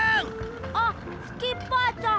あっスキッパーさん。